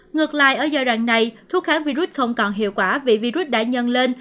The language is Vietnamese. ngược lại ở giai đoạn này thuốc kháng virus không còn hiệu quả vì virus đã nhân lên